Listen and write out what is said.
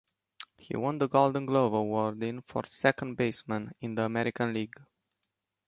He won the Gold Glove Award in for second basemen in the American League.